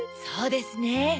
そうですね。